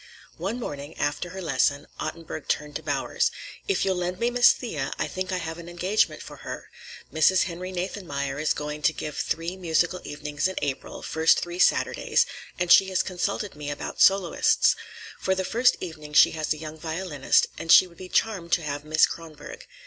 One morning, after her lesson, Ottenburg turned to Bowers. "If you'll lend me Miss Thea, I think I have an engagement for her. Mrs. Henry Nathanmeyer is going to give three musical evenings in April, first three Saturdays, and she has consulted me about soloists. For the first evening she has a young violinist, and she would be charmed to have Miss Kronborg.